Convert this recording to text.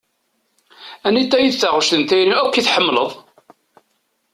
Anita i d taɣect n tayri akk i tḥemmleḍ?